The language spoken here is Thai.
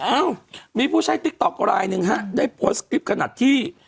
เอ้ามีผู้ใช้ติ๊กต๊อกลายหนึ่งฮะได้โพสต์คลิปขนาดที่